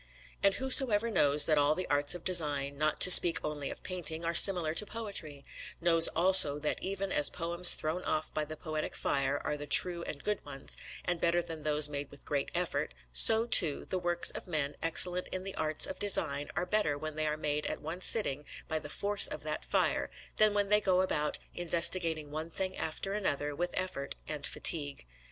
And whosoever knows that all the arts of design, not to speak only of painting, are similar to poetry, knows also that even as poems thrown off by the poetic fire are the true and good ones, and better than those made with great effort, so, too, the works of men excellent in the arts of design are better when they are made at one sitting by the force of that fire, than when they go about investigating one thing after another with effort and fatigue.